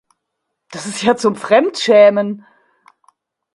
Das ist ja zum Fremdschämen!